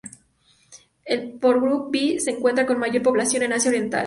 El haplogrupo B se encuentra con mayor población en Asia Oriental.